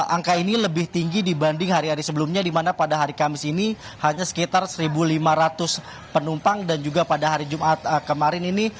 angka ini lebih tinggi dibanding hari hari sebelumnya di mana pada hari kamis ini hanya sekitar satu lima ratus penumpang dan juga pada hari jumat kemarin ini